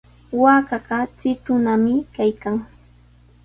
Waakaqa tritrunami kaykan.